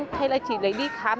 thế là chị lấy đi khám